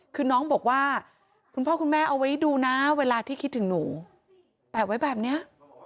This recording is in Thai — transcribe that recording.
คือน้องบอกว่าคุณพ่อคุณแม่เอาไว้ดูนะเวลาที่คิดถึงหนูแปะไว้แบบนี้